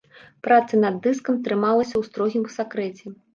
Праца над дыскам трымалася ў строгім сакрэце.